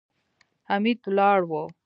حميد ولاړ و.